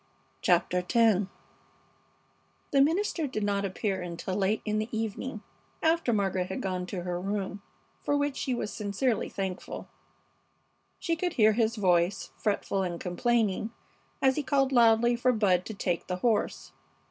CHAPTER X The minister did not appear until late in the evening, after Margaret had gone to her room, for which she was sincerely thankful. She could hear his voice, fretful and complaining, as he called loudly for Bud to take the horse.